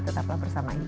tetaplah bersama insight